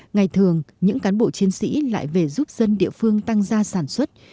ngày thường những cán bộ chiến sĩ lại về giúp dân địa phương tăng gia sản xuất